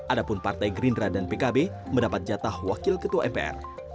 adapun partai gerindra dan pkb mendapat jatah wakil ketua mpr